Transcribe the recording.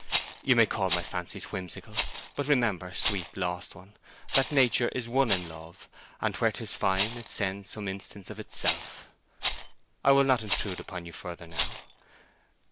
You may call my fancies whimsical; but remember, sweet, lost one, that 'nature is one in love, and where 'tis fine it sends some instance of itself.' I will not intrude upon you further now.